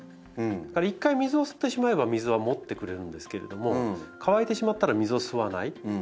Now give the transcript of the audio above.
一回水を吸ってしまえば水はもってくれるんですけれども乾いてしまったら水を吸わない。